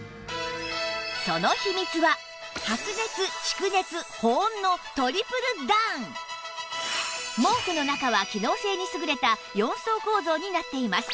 その秘密は毛布の中は機能性に優れた４層構造になっています